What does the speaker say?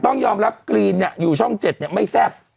ต้องยอมรับกรีนอยู่ช่อง๗ไม่แซ่บ